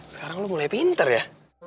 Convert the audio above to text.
sekarang lo mulai pinter ya